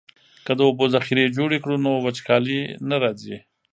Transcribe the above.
که د اوبو ذخیرې جوړې کړو نو وچکالي نه راځي.